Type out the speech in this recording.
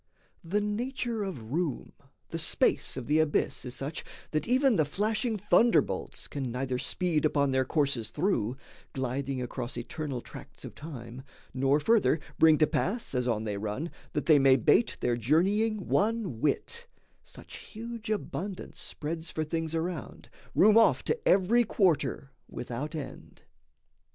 The nature of room, the space of the abyss Is such that even the flashing thunderbolts Can neither speed upon their courses through, Gliding across eternal tracts of time, Nor, further, bring to pass, as on they run, That they may bate their journeying one whit: Such huge abundance spreads for things around Room off to every quarter, without end.